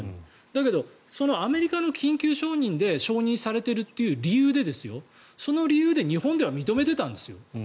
だけど、アメリカの緊急承認で承認されているという理由で日本では認めていたんですよ